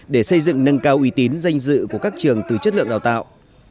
để xây dựng nâng cao uy tín danh dự của các trường từ chất lượng đào tạo